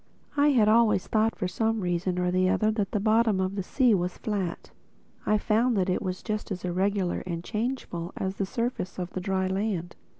I had always thought for some reason or other that the bottom of the sea was flat. I found that it was just as irregular and changeful as the surface of the dry land.